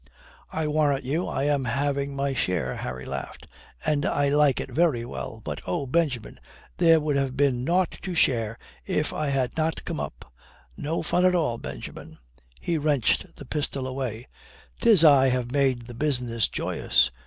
"I warrant you I am having my share," Harry laughed; "and I like it very well. But oh, Benjamin, there would have been nought to share if I had not come up. No fun at all, Benjamin." He wrenched the pistol away. "'Tis I have made the business joyous.